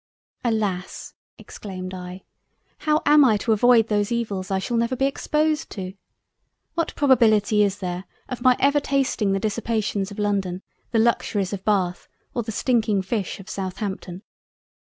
"Alas! (exclaimed I) how am I to avoid those evils I shall never be exposed to? What probability is there of my ever tasting the Dissipations of London, the Luxuries of Bath, or the stinking Fish of Southampton?